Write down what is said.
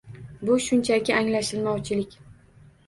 Bu shunchaki anglashilmovchilik